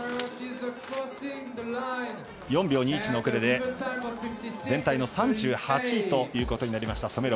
４秒２１の遅れで全体の３８位ということになりました。